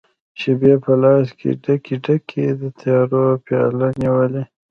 شپي په لاس کې ډکي، ډکي، د تیارو پیالې نیولي